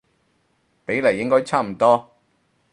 比例應該差唔多